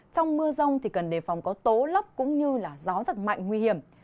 trong mưa rông thì cần đề phòng có tố lấp cũng như gió rất mạnh nguy hiểm